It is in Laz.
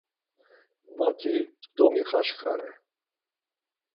Ma-ti demixaşǩare.